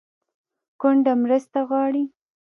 کونډه مرسته غواړي